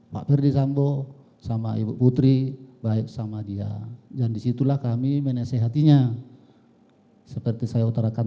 pak ferdisambo sama ibu putri baik sama dia dan disitulah kami menasehatinya seperti saya utarakan